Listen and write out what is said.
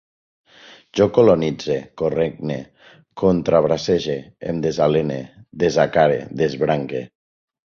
Jo colonitze, corregne, contrabracege, em desalene, desacare, desbranque